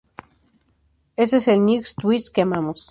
Este es el Nightwish que amamos.